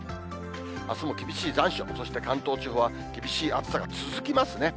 あすも厳しい残暑、そして関東地方は厳しい暑さが続きますね。